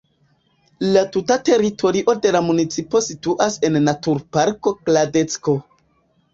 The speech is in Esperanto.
La tuta teritorio de la municipo situas en naturparko Kladecko.